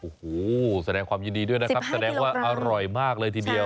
โอ้โหแสดงความยินดีด้วยนะครับแสดงว่าอร่อยมากเลยทีเดียว